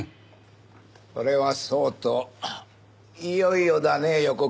それはそうといよいよだね予告日。